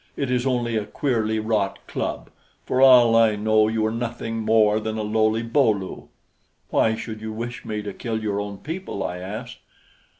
It is only a queerly wrought club. For all I know, you are nothing more than a lowly Bo lu." "Why should you wish me to kill your own people?" I asked.